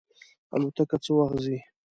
الوتکه څه وخت ځي؟